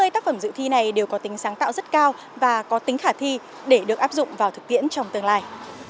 năm mươi tác phẩm dự thi này đều có tính sáng tạo rất cao và có tính khả thi để được áp dụng vào thực tiễn trong tương lai